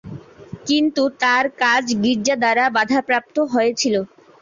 কিন্তু তার কাজ গীর্জা দ্বারা বাধাপ্রাপ্ত হয়েছিল।